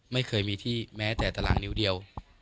ไม่เคยมีที่แม้แต่ตารางนิ้วเดียว